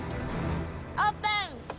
オープン！